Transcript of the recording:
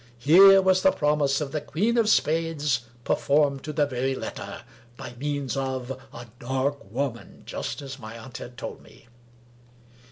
Here was the promise of the Queen of Spades performed to the very letter, by means of " a dark woman," just as my aunt had told me.